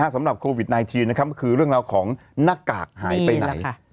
สำหรับโควิด๑๙นะครับคือเรื่องของนักกากหายไปไหน